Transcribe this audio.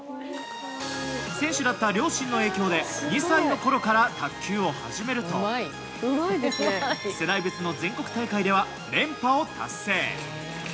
選手だった両親の影響で２歳のころから卓球を始めると世代別の全国大会では連覇を達成。